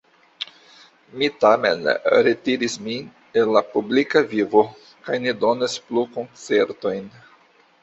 Mi tamen retiris min el la publika vivo kaj ne donas plu koncertojn.